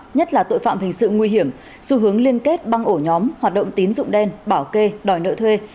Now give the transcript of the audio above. nhất là tội phạm hình sự nguy hiểm xu hướng liên kết băng ổ nhóm hoạt động tín dụng đen bảo kê đòi nợ thuê